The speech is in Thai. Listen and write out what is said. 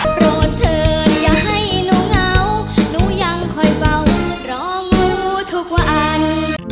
โปรดเถิดอย่าให้หนูเหงาหนูยังคอยเบารองูทุกวัน